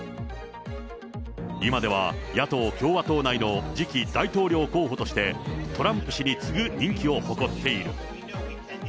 今では野党・共和党内の次期大統領候補として、トランプ氏に次ぐ人気を誇っている。